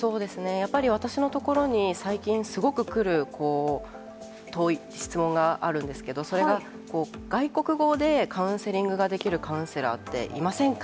やっぱり私のところに、最近すごく来る多い質問があるんですけど、それが外国語でカウンセリングができるカウンセラーっていませんか？